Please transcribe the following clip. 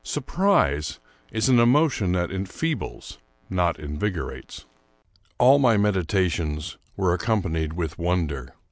Surprise is an emotion that enfeebles, not invigorates. All my meditations were ac companied with wonder.